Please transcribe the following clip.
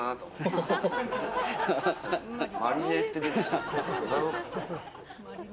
マリネって出てきて。